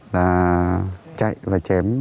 và chạy và chém